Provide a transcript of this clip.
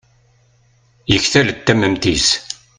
yektal-d tamemt-is